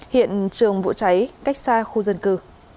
hiện trường vụ cháy cách xa khu dân cư